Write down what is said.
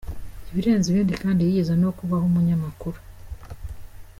Ibirenze ibindi kandi yigeze no kubaho umunyamakuru.